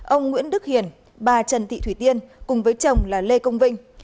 ông nguyễn đức hiền bà trần thị thủy tiên cùng với chồng là lê công vinh